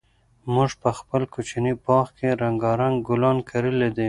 موږ په خپل کوچني باغ کې رنګارنګ ګلان کرلي دي.